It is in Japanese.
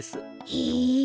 へえ。